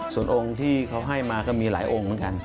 ส่วนองค์ที่เขาให้มาก็มีหลายองค์เหมือนกัน